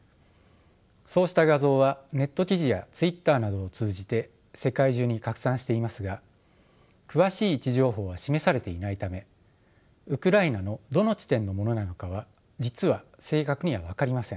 そうした画像はネット記事やＴｗｉｔｔｅｒなどを通じて世界中に拡散していますが詳しい位置情報は示されていないためウクライナのどの地点のものなのかは実は正確には分かりません。